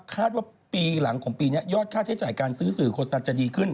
คาดว่าปีหลังของปีนี้ยอดค่าใช้จ่ายการซื้อสื่อโฆษณ์จะดีขึ้น